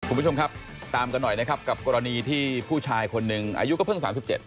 คุณผู้ชมครับตามกันหน่อยนะครับกับกรณีที่ผู้ชายคนหนึ่งอายุก็เพิ่ง๓๗